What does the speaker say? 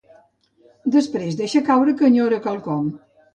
Després deixa caure que enyora quelcom.